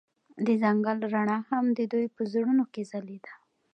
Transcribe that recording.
د ځنګل رڼا هم د دوی په زړونو کې ځلېده.